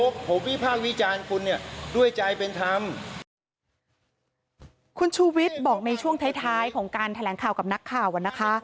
คุณชุวิตบอกในช่วงท้ายของการแถลงข่าวกับนักข่าวนะคะ